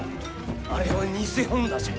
あれは偽本多じゃ！